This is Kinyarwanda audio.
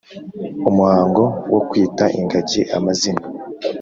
Umuhango wo kwita ingagi amazina